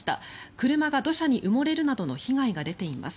車が土砂に埋もれるなどの被害が出ています。